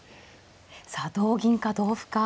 さあ同銀か同歩か。